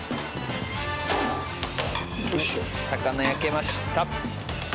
魚焼けました。